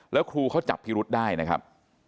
แล้วครูเขาจับพิรุษได้นะครับ